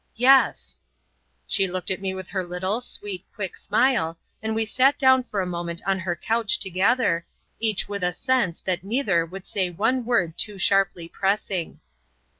"Yes." She looked at me with her little, sweet, quick smile, and we sat down for a moment on her couch together, each with a sense that neither would say one word too sharply pressing.